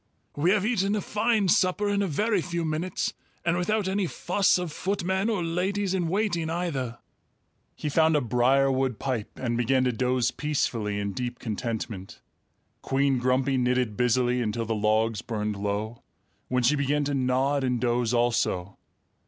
"We have eaten a fine supper in a very few minutes and without any fuss of footmen or ladies in waiting either." He found a briarwood pipe and began to doze peacefully in deep contentment. Queen Grumpy knitted busily until the logs burned low, when she began to nod and doze also.